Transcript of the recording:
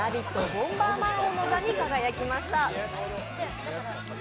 ボンバーマン王の座に輝きました。